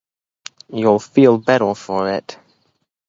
You'll feel better for it.